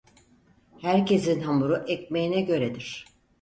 Herkesin hamuru ekmeğine göredir.